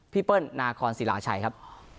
พี่เปิ้ลนาคอนสิราชัยครับ